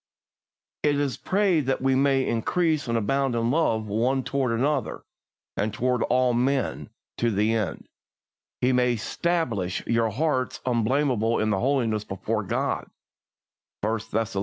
It is prayed that we may "increase and abound in love one toward another, and toward all men... to the end He may stablish your hearts unblameable in holiness before God" (1 Thess.